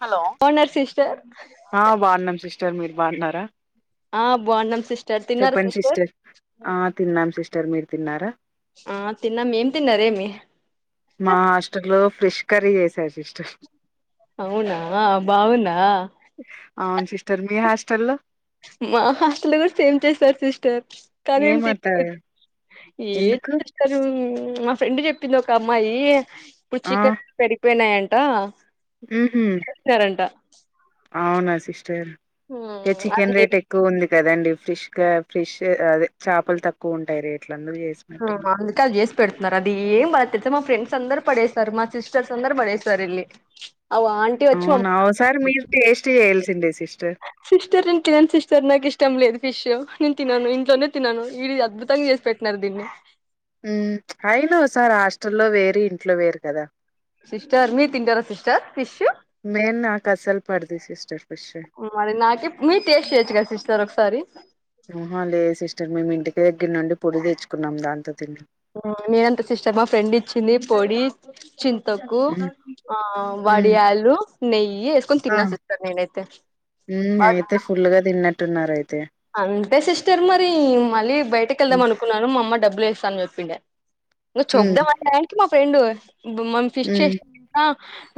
Hello బాగున్నారు sister బణం మీరు బాధారా ఆ బాగు న శ టర్ తిన్నారు సిస్టర్ ఆ తిన్నాం సిస్టర్ మీరు తిన్నారా ఆ తిన్నా మేం తిన్నారేమి మా అస్ర్లో ఫ్రెష్ కర వేసయి ఇష్ట అవునా ఆ బాగుందా తెల్లో మా హాస్టల్ లో కూడా చేంజ్ చేసారు సిస్టర్ కానీ ఏం ఏమట తలేదు [unintelligible] ఏం ఎందుకు సిస్టరు మా ఫ్రెండ్ చెప్పింది ఒక అమ్మాయి ఆ పిచ్చికలు పెరిపోయినాయన్ దా ఉహు వస్తారంట అవునా సిస్టర్ ఇకా చికెన్ అది రేట్ ఎక్కువ ఉంది కదండి ఫ్రిష్ గా ఫ్ర్రిష్ అదే చేపలు తక్కువ ఉంటాయి రేట్లు అందుకు హ చేసినట్టున్నా అందుకే అది చేసి పెడుతున్నారు అది ఏం బాగొద్ తెలుసా మా ఫ్రెండ్స్ అందర్ పడేస్తారు మా సిస్టర్స్ అందర్ పడేస్తారు ఎల్లి అవున ఒకసారి మీరు టెస్ట్ చేయాలిసి తిండేసి సిస్టర్ ఇంకెమి సిస్టర్ నాకు ఇష్టం లేదు విష్యొ [inaudible] తినను ఇంట్లో నే తినను ఇడియ అద్భుతంగా చేసి పెట్టినారు దీన్ని మ్మ్ అయిన ఓకసారి హస్ట హాస్టల్ లో వేరు ఇంట్లో వేరు కదా సిస్టర్ మీరు తిన్టార సిస్టర్ ఫిష్ మైన్ నా కసాలు పడదు సిస్టర్ ఫిష్ మరి నాకి మీరు టేస్ట్ చేయొచ్చు కదా సిస్టర్ ఒకసారి ఆహ లేదు సిస్టర్ మిము ఇంటికా ఇంటి దగ్గర నుండి పొడి తెచ్చుకున్నాం దాంతో తిన్నాం నేనంత సిస్టర్ మా ఫ్రెండ్ ఇచ్చింది పొడి చింతొక్కు హ్మ్ ఆ వడియాలు లేయి మ్మ్ అయితే ఫుల్గా తిన్నాం తిన్నారు అయిత్ అవును అంతే సిస్టర్ మరి మళీబ్ బయటకెళ్దాము అనుకున్నాను మా అమ్మ డబ్ వేస్తా అని చెప్పిండ నువ్ హ్మ్ చూద్దాం అనేసారికి మా ఫ్రెండు ఇప్పుడు మనం ఫిష్ హ్మ్ చేసిన కూడ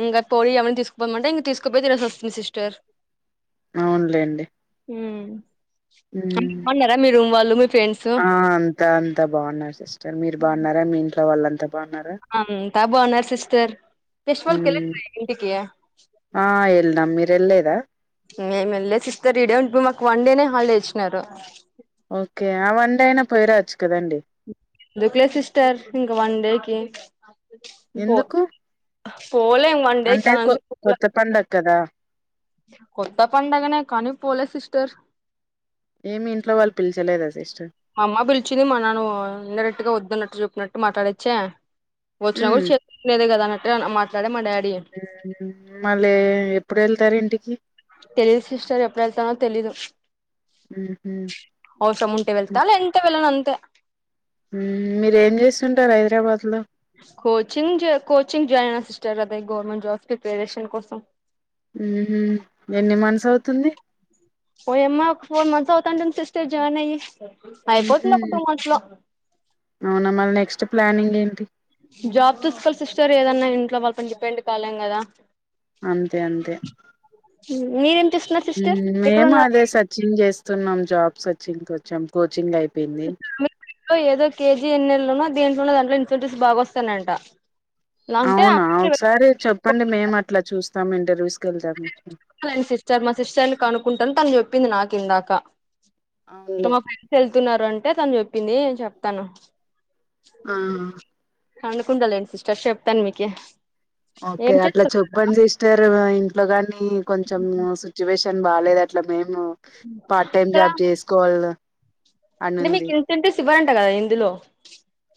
ఇంగ పోయి ఆమెన్ తీసుకుపోమంటే, ఇంక తీసుకుపోయి తినేసి వస్తుంది సిస్టర్ అవునులేండి. హ్మ్ ఫ్రెండ్స్ ఆ అంతా అంతా బాగున్నారు సిస్టర్, మీరు బాగున్నారా మీ ఇంట్ ట్లో వాళ్ళంత? అంతా బావున్నారు సిస్టర్, హ్మ్ ఫెస్టివల్కెళ్లలేదా ఇంటికి? ఆ వెళ్ళినాం మీరు వెళ్ళలేదా ఏం ఎల్లలేద్ సిస్టర్, ఈడే ఉండిపోమాక్ వన్ డేనే హాలిడే ఇచ్చినారు. ఓకే, ఆ వన్ డే అయినా పోయి రావచ్చు కదండి? దుకులే సిస్టర్? ఇంకా వన్ డేకి? ఎందుకు? ఆఫ్ పోలేం వన్ డే కి, అంటే చాన కొ అల్సి కొత్త [unintelligible] పండగ కదా కొత్త పండగనే కనీ, పోలే సిస్టర్. ఏమి? ఇంట్లో వాళ్ళు పిలిచలేద సిస్ మా అమ్మ పిలిచింది మా నాన్న వో ఇండైరెక్ట్గా వద్దన్నట్టు చెప్ న్నట్టు మాట్లాడచ్చా? వచ్చినా హ్మ్ కూడ చే [unintelligible] నేదే కదా అన్నట్ ట్లెనా మాట్లాడేది? మా డాడ్ మ్మ్ హ్మ్ మళ్ళీ ఎప్పుడెళ్తారు ఇంటికి? తెలీదు సిస్టర్, ఎప్పుడెల్తానో తెలీదు. హ్మ్ ఔసరముంటే హు వెళ్తా లేదంటే వెళ్ళనంతె. మీరేం చేస్తుంటారు హైదరాబాద్ లో? కోచింగ్ జె కోచింగ్ జాయిన్ అయిన సిస్టర్, అదే గవర్నమెంట్ జాబ్స్ ప్రిపరేషన్ కోసం. ఉమ్ హు, ఎన్ని మంత్స్ అవుతుంది? వోయమ్మా ఒక ఫోర్ మంత్స్ అవుతాందెంది సిస్టర్ జాయిన్ అయ్యి. మ్హూ అయిపోతుందొక టూ మంత్స్ లో. అవునా మళ్ళ నెక్స్ట్ ప్లానింగ్ ఏంటి? జాబ్ చూస్కోవాలి సిస్టర్ ఏదన్నా, ఇంట్లో వాళ్ళ పైన డిపెండ్ కాలేం కదా! అంతే అంతే. మీరేం చేస్తున్నారు ఉమ్, సిస్టర్ మేము ఎక్కడున్నారు అదే సర్చింగ్ చేస్ స్తున్నాం జాబ్ సర్చింగ్ కొచ్చాం, కోచింగయిప్ [unintelligible] ఏదో కే జీ ఎన్ ఎళ్లనో దెంట్లనో దాంట్ల, ఇన్సెంటివ్స్ బాగా వస్తానయంటా! అవునా! ఒకసారి చెప్పండి మేమట్లా చూస్ తం, ఇంటర్వ్యూస్ కి వెళ్తాం [unintelligible] లేండి సిస్టర్, మా సిస్టర్నీ కనుకుంటను తను చెప్ ప్పింది నాకిందాకా. [unintelligible] అవునులే చెప్తున్నారు అంటే తను చెప్పింది నే చెప్తాను. ఆ అనుకుంటాలేండి సిస్టర్ చెప్తాను మీకి ఓకే ఏం అట్లా చేస్తున్నారు చెప్పండి సిస్టర్ ఇంట్లో కాని కొంచెం సిట్యువేషన్ బాగాలేదు అట్లా మేము పార్ట్ టైమ్ ఇక్కడ జాబ్ చేసుకోవాల అని అంటే ఉంది. మీకు ఇన్సెంటివ్స్ ఇవ్వరంట కదా ఇందులో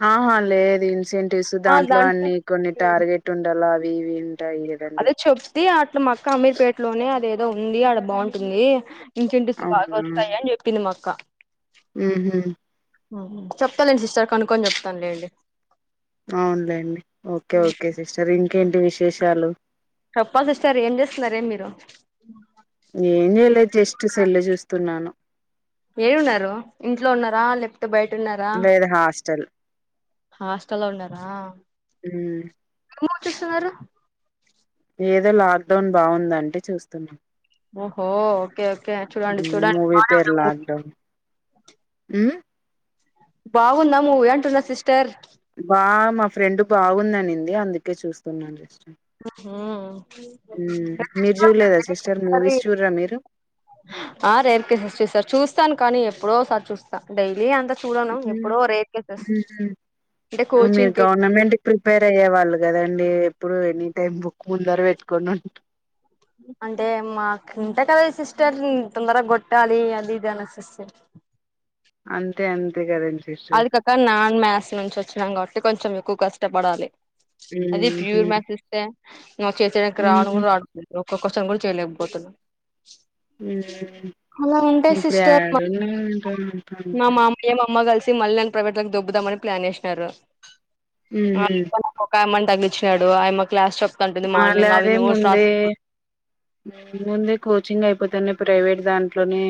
ఆహా లేదు ఇన్సె ఆ దాంట్లో అన్ని కొన్ని హ్మ్ టార్గెట్ ఉండాల అవి పవ అదే చెప్తే అట్ల మక్క అమీర్ పేటలోనే అదే ఏదో ఉంది అడ బాగుంటుంది ఇంకేంటి బాగా వస్తాయి అని చెప్పింది మక్క హుహు చెప్తాలేండి సిస్టర్ కనుక్కొని చెప్తానులేండి అవునులేండి ఓకే ఓకే సిస్టర్ ఇంకేంటి విషయం విశేషాలు చెప్పాలిసిస్టర్ ఏం చేస్తున్నారే మీరు నేను చేలేదు జస్ట్ సెల్ల చూస్తున్నాను ఏడు ఉన్నారు ఇంట్లో ఉన్నారా లేపోతే బయట ఉన్నారా లేదు హాస్టల్ హాస్ట లో ఉన్నారా ఉమ్ ఏం చేస్తున్నారు ఏదో లాక్ డౌన్ బాగుందంటే చూస్తున్నాం ఓహో ఓకే ఓకే చూడండి చూడండి ఆ బావున్నాదా మూవీ అంటున్న సిస్టర్ బా మా ఫ్రెండ్ బాగుందనింది అందుకే చూస్తున్నాను ఉమ్ మీరు చూడలేదా సిస్టర్ మూవీస్ చూడరా మీరు ఆ రేర్కే సస్ సార్ చూస్తాను కానీ ఎప్పుడో సారి చూస్తాం డై అంతా చూడను ఎప్పుడో రేర్ కేసెస్ ఉహు అంటే మీరు కోచింగ్కి గవర్నమెంట్ కి ప్రిపేర్ అయ్యే వాళ్ళు కదండి ఎప్పుడు ఎనీ టైమ్ బుక్ ముందర పెట్టుకని అంటే మాకు ఇంతే కదా సిస్టర్ తొందరగా కొట్టాలి అది ఇదనా సిస్టర్ అంతే అంతే కదండి సిస్టర్ అదికాక నాన్ మేథ్స్ నుంచి వచ్చినం గాబట్టి కొంచెం ఎక్కువ కష్టపడాలి అది ఉహు ప్యూర్ మ్యాథ్స్ ఇస్తే నువ్వు చేసేకి రాను ఉహు కూడా రాదు కొకొ ఉమ్ అలా ఉంటాయి ఇప్పుడు సిస్టర్ యాడున్నాంటా మా మామయ్య, అమ్మా కలిసి మళ్ళ నను ప్రైవేట్ లకు దొబ్బుదామని ప్లాన్ వేసినారు ఉహు ఒకా మన [unintelligible] వచ్చాడు ఆయమ్మ క్లాస్ చెప్ అలానే ముందే ముందే కోచింగ్ అయి పోతేనే ప్రైవేట్ దాంట్లోనే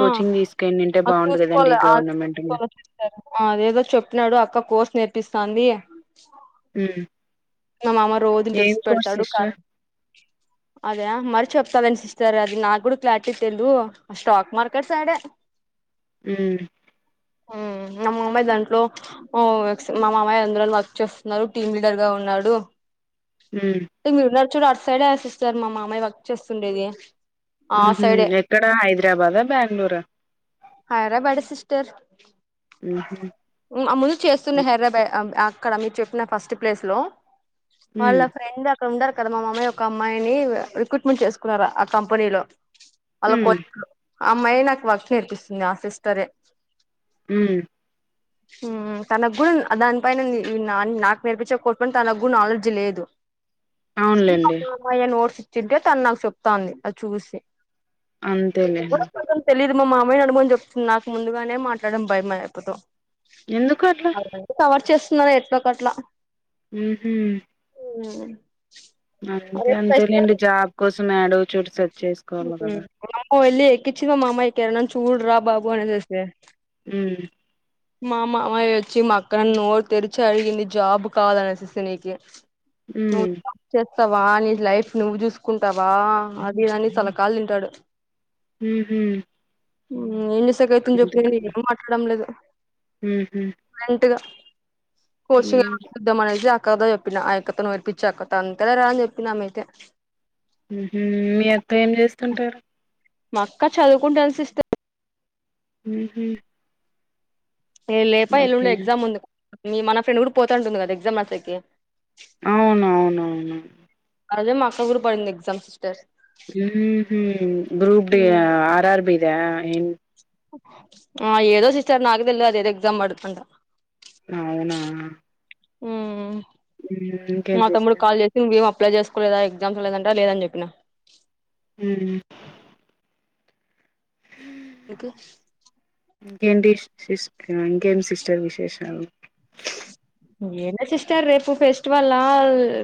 కోచింగ్ తీసుకెళ్ళింటే ఆ బాగుండు చూసుకోల కదండి ఆ గవర్నమెంట్ చూసుకో ఉమ్ అది ఏదో చెప్పినాడు అక్క కోర్స్ నేర్పిస్ సంది హ్మ్ కా మామ రోజుని తుడిసి పెడతాడు కార్ అదా మరి చెప్ సెవెన్ సిస్టర్ అది నాక్కూడా క్లారిటీ తెల్దు స్టాక్ మార్కెట్ సైడే హ్మ్ హ్మ్ మా మామయ్య దాంట్లో మా మామయ్య అందులో వర్క్ చేస్తున్నారు టీమ్ లీడర్ గా ఉన్నారు లో ఉమ్ [unintelligible] చూడు అట్ సైడ్ రాసిస్తారు మా మామయ్య వర్క్ చేస్తుండేది ఆ ఊహూ సైడే ఎక్కడ హైదరాబాదా బెంగుళూరా తరు ఆముందు చేస్తున్న హైర్రబ ఆ ఆ ఇక్కడ మీరు చెప్పిన ఫస్ట్ ప్లేస్ లో ఉమ్ వాళ్ళ ఫ్రెండ్ అక్కడ ఉండారు కదా మా మమ్మి ఒక అమ్మాయిని రిక్రూట్మెంట్ చేసుకున్నారు ఆ కంపెనీలో వాళ్ళ కో హ్మ్ ఆ అమ్మాయే నాకు వర్క్ నేర్పిస్తుంది ఆ సిస్టరే హ్మ్ హ్మ్ తనకి కూడా దాని పైన న నాకు నేర్పిచ్చ కొట్కుంట తను కు నాలెడ్జీ లేదు అవునులేండి చెప్తే తను నాకు చెప్తాంది అది చూసి అంతేలే మామయ నడుమని చెప్తుంది నాకు ముందుగానే మాట్లాడం భయమా అక్క తో ఎందుకు అట్లా కవర్ చేస్ న్న ఎక్కువ కట్లా ఊహూ హ్మ్ అంతే అంతేలేండి జాబ్ కోసం నాడు చూడుస చేసుకోవాలి కదా ఎల్లి ఎక్కించి మామా ఎకారణ చూడు రా బాబు అని అనేసి హ్మ్ మా మామయ్య వచ్చి మా అక్కని నోరు తెరిచి అడిగింది జాబ్ కావాలనేసి నీకి హ్మ్ స్తావా నీ లైఫ్ నువ్వు చూసుకుంటావా అది అని తల కాళు తింటాడు ఊహూ హ్మ్ ఏం దుస అతుందిని చెప్పినంది నేనేం మాట్లాడడం లేదు హ హ కోర్సిగాద్ద మన అక్కద చెప్పిన ఆ యక్కతను వేలిపించి అక్కత అంతదే రా అని చెప్పి ఆమె అయితే మీ అత్త ఏం చేస్తుంటారు మక్క చదువుకుంటా అనిసి ఇస్తంది హ లేదు ఎల్లుండే ఎగ్జామ్ ఉందు మీ మన ఫ్రెడ్ ఊడి పోతాంటుంది కదా ఎగ్జామ్ మాసకి అవునవునవును అరదే మాక్కగురు పడింది exam sisters group D R RB చ్చ అన్ ఆ ఏదో సిస్టర్ నాగదల్ అదేదో ఎక్సామ్ అకుంట అవునా ఉ హ్మ్. ఇంకేం మా తమ్ముడు సిస్టర్ కాల్ చేసి నువే అప్లై చేసుకోలేదా ఎగ్జామ్స్ లేదంటా లేదని చెప్పిన హ ఇ ఓక ఇంకేంటి సిస్ ఇంకేంటి సిస్టర్ విశేషాలు ఏ సిస్టర్ రేపు ఫెస్టివల్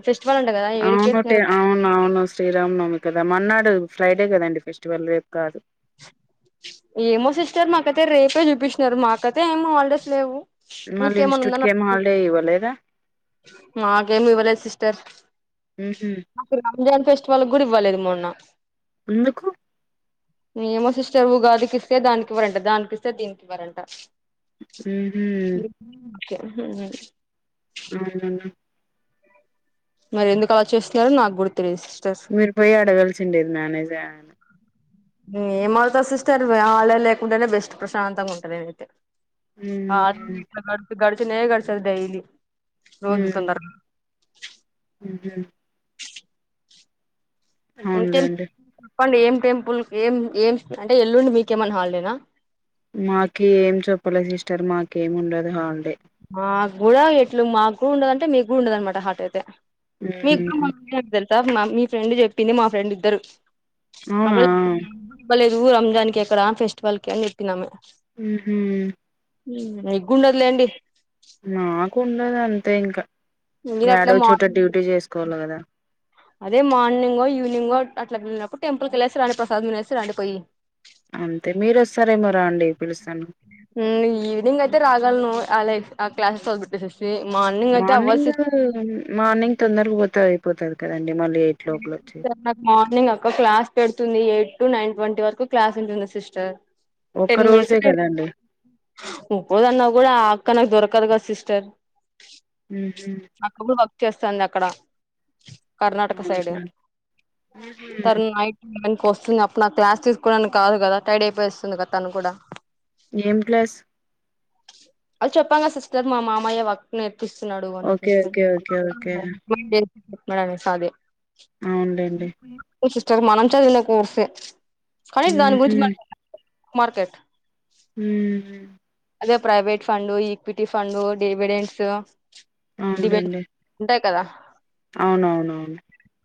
ఫెస్టివల్ అంట కదా అవును టే ఏడికేసినారు అవును అవును శ్రీరామ్ నమి కదా మన్నాడు ఫ్రైడే కదండి ఫెస్టివల్ రేపు కాదు ఏమో సిస్టర్ మాకైతే రేపే చూపిస్తుినారు మాకైతే ఏం హాలిడేస్ లేవు మళ్ళీ మీకేమన్నా ఇన్స్టిట్యూట్ కి ఏం ఉందా హాలిడే ఇవ్వలేదా నాకేమి ఇ్వలే సిస్ త ఉహు జన్ ఫెస్టివల్ కూడా ఇవ్వలేదు మొన్న ఎందుకు ఏమో సిస్టర్ ఉగాదికి ఇస్తే దానికి ఇవ్వరాంటా దానికి ఇస్తే దీనికివరంట ఉహు ఓకే అ [unintelligible] మరి ఎందుకు అలా చేస్తున్నారుారో నాకు గుడా తెలిదు మీరు పోయి అడగాల్సి ఉండేది మేనేజర్ ఏమవుతది సిస్టర్ హాలిడే లేకుంటేనే బెస్ట్ ప్రశాంతంగా ఉంటదిమేమైతే ఉమ్ అది గడుచినే గడ్చాడు డైలీ రోజు ఉమ్ తొందర ఉహు ఇంకేం అవునులేండి చెప్పండి ఏం టెంపుల్ ఏం ఏం అంటే ఎల్లుండి మీకేమన్నా హాలిడేనా మాకి ఏం చెప్పలే సిస్టర్ మాకేమి ఉండదు హాలిడే ఆ కూడా ఎట్లు మాకు కూడా ఉండదుంటే మీకు కూడా ఉండద అనమాట హాట్ అయిత మీదత ఉమ్ [unintelligible] మా మీ ఫ్రెండ్ చెప్పింది మా ఫ్రెండ్ ఇద్దరు అవునా అప్పుడ [unintelligible] రంజానికి ఎక్కడ ఫెస్టివల్ కి అని చెప్పిందమే ఉహు న గుండదూలెండి మాకుండదు అంత అ ఇంకా మీరు అట్లే ఏడో చోట మార్నింగ్ డ్యూటీ చేసుకోవాలి కదా అదే మార్నింగో ఈవినింగో అట్లా వెళ్ళినప్పుడు టెంపుల్కి వెళ్ళేసి రండి ప్రసాదం తీనేసి రండి పోయి అంతే మీరు వస్తారేమో రండి పిలుస్తాను హ్మ్మ్ ఈవినింగ్ అయితే రాగలను అలా ఆ్లాెస్గట్ స సిస్ మార్నింగ్ మార్నింగ్ తొందరగా పోతే అయిపోతాది నాకు మార్నింగ్ అక్క క్లాస్ పెడుతుంది ఎయిట్ టూ నైన్ ట్వంటీ వరకు క్లాస్ ఉంటుంది. సిస్టర్ ఒక్క టెన్ మినేట్స్ రోజే కదండి ఉప్పదన్నా కూడా ఆ అ క్కనకు దొరకదు గ సిస్టర్ ఊహుం చేస్తంది అక్కడ కర్ణాటక సైడ్ అవునా ఉహు తర్ నైట్ [unintelligible] వస్తుంది అప్పుడు నా క్లాస్ తీసుకోవడానికి కాదు కదా టైడ్ అయిపోస్తుంది కదా తను కూడా ఏం ప్లస్ అ చెప్పాంగ సిస్టర్ మా మామయ్య వక్ నేర్ప్ పిస్తున్నాడు ఓకే అనిపిస్తే ఓకే ఆ ఓకే ఓకే మా [unintelligible] [unintelligible] సావే అవునులేండి సిస్టర్ మనంచదివిన కోర్సే కనీ దాని ఉహు గురించి మా మార్కెట్ ఊహుం అదే private fund equity fund debentures debate అవునులేండి అంటక్ కదా అవునవునవును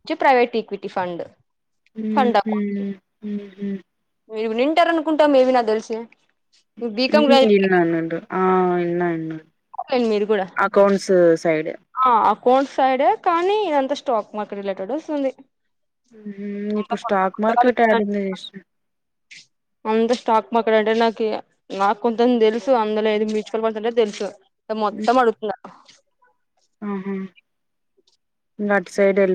చి private equity fund fund account ఊహుం ఊహుం మీరు వింనిటారనుకుంటా మీవి నాక్ తెలిసి బీకం గజ నన్నడు ఆ ఇన్నా ఇన్నా మీరు కూడా అకౌంట్స్ సైడ్ ఆ అకౌంట్ సైడ్ ఏ కానీ ఇదంతా స్టాక్ మార్కెట్ రిలేటెడ్ వస్తుంది. మ్ ఇప్పుడు స్టాక్ మార్కెట్ ఆడిందే హిస్టరీ అంత స్టాక్ మార్కెట్ అంటే నాకి నాకు కొంతంది తెలుసు అందులో ఏది మ్యూచువల్ ఫండ్స్ అంటే తెలుసు మొత్తం అడుగుతున్న ఆహ గట్ సైడ్ ఎల్ప్